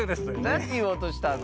なんていおうとしたの？